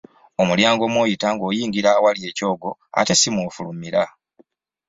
Omulyango mw’oyita ng’oyingira awali ekyogo ate ssi mw’ofulumira.